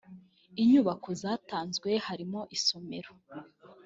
Inyubako zatashwe harimo isomero